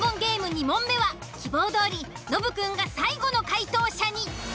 ２問目は希望どおりノブくんが最後の解答者に。